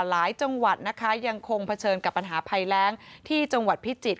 หลายจังหวัดนะคะยังคงเผชิญกับปัญหาภัยแรงที่จังหวัดพิจิตร